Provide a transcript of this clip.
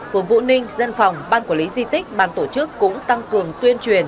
phường vũ ninh dân phòng ban quản lý di tích ban tổ chức cũng tăng cường tuyên truyền